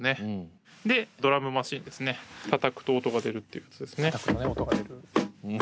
でドラムマシーンですねたたくと音が出るっていうやつですね。